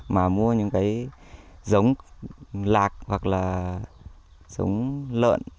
mà mua những cái giống lạc hoặc là giống lợn